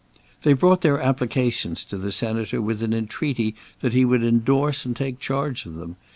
They brought their applications to the Senator with an entreaty that he would endorse and take charge of them.